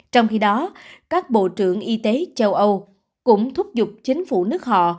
trong khi đó các bộ trưởng y tế châu âu cũng thúc giục chính phủ nước họ